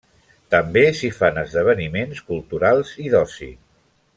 També s'hi fan esdeveniments culturals i d'oci.